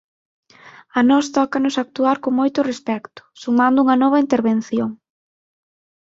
A nós tócanos actuar con moito respecto, sumando unha nova intervención.